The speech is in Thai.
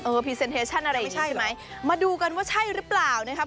พรีเซนเฮชั่นอะไรไม่ใช่ไหมมาดูกันว่าใช่หรือเปล่านะครับ